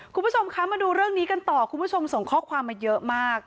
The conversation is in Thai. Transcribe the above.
คุณผู้ชมคะมาดูเรื่องนี้กันต่อคุณผู้ชมส่งข้อความมาเยอะมาก